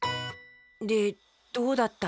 でどうだった？